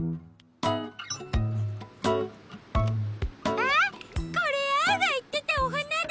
あっこれアオがいってたおはなだ！